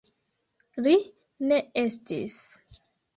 Li ne estis.